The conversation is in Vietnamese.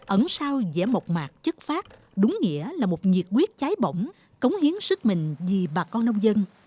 ẩn sao rẻ mộc mạc chất phát đúng nghĩa là một nhiệt quyết cháy bỏng cống hiến sức mình vì bà con nông dân